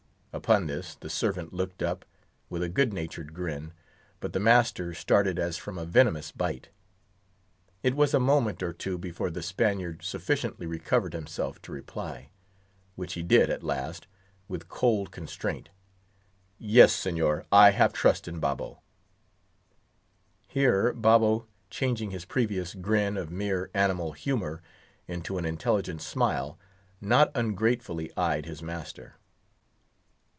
Upon this, the servant looked up with a good natured grin, but the master started as from a venomous bite. It was a moment or two before the Spaniard sufficiently recovered himself to reply; which he did, at last, with cold constraint:—"Yes, Señor, I have trust in Babo." Here Babo, changing his previous grin of mere animal humor into an intelligent smile, not ungratefully eyed his master.